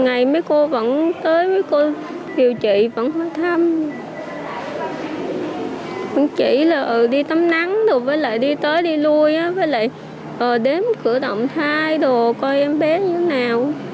ngày mấy cô vẫn tới mấy cô điều trị vẫn thăm vẫn chỉ là đi tắm nắng đồ với lại đi tới đi lui với lại đếm cửa động thai đồ coi em bé như thế nào